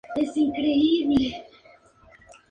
Todos los personajes son, pues, norteamericanos.